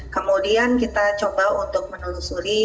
kemudian kita coba untuk menelusuri